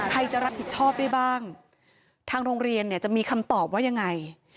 ใครจะรับผิดชอบได้บ้างทางโรงเรียนเนี่ยจะมีคำตอบว่ายังไง